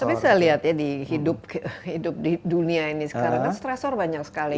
tapi saya lihat ya di hidup di dunia ini sekarang kan stressor banyak sekali